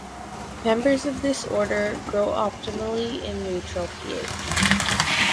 Members of this order grow optimally in neutral pH.